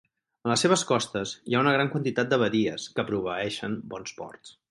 En les seves costes hi ha una gran quantitat de badies que proveeixen bons ports.